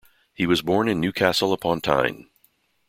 He was born in Newcastle-Upon-Tyne.